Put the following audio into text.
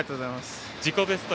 自己ベスト